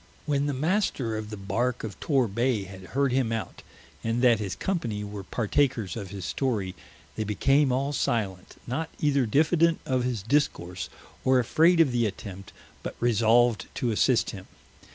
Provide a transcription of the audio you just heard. When the Master of the Barke of Tor Bay had heard him out, and that his company were partakers of his Storie, they became all silent, not eyther diffident of his Discourse, or afraid of the attempt, but resolved to assist him.